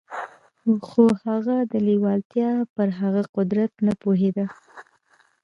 خو هغه د لېوالتیا پر هغه قدرت نه پوهېده.